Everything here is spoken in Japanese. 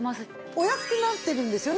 お安くなってるんですよね。